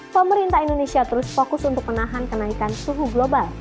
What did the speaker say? pemerintah indonesia terus fokus untuk menahan kenaikan suhu global